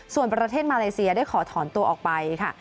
ส่วนประเทศมาเลเซียได้ขอถอนตัวออกไปค่ะ